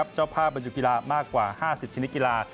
เจ้าภาพบรรจุกีฬามากกว่า๕๐ชนิดกีฬา